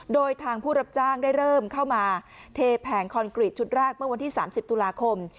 โดยทางผู้รับจ้างได้เริ่มเข้ามาเทแผงคอนกรีตชุดแรกเมื่อวันที่๓๐ตุลาคม